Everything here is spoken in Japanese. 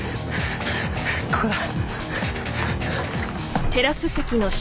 ここだ。